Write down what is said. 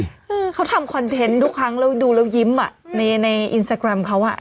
อืมเขาทำคอนเทนต์ทุกครั้งแล้วดูแล้วยิ้มอ่ะในในอินสตาแกรมเขาอ่ะ